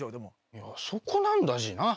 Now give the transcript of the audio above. いやそこなんだＧな。